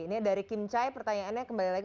ini dari kim chai pertanyaannya kembali lagi